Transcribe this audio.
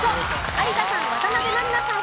有田さん渡辺満里奈さん